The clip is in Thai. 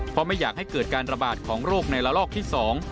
ก็อยากให้เกิดการระบาดของโรคในละลอกที่๒